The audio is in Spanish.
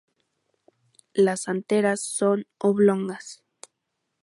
Las anteras son oblongas.